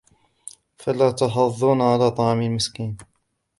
وَلَا تَحَاضُّونَ عَلَىٰ طَعَامِ الْمِسْكِينِ